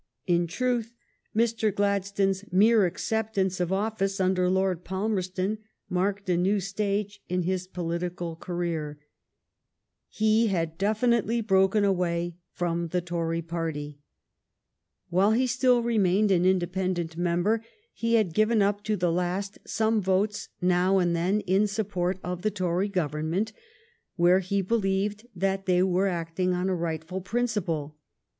In truth, Mr. Gladstone's mere acceptance of office under Lord Palmerston marked a new stage in his political career. He had definitively broken THE AMERICAN CIVIL WAR 245 away from the Tory party. While he still re mained an independent member, he had given, up to the last, some votes now and then in sup port of the Tory Government where he believed that they were acting on a rightful principle.